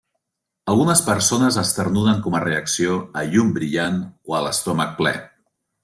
Algunes persones esternuden com a reacció a llum brillant o a l'estómac ple.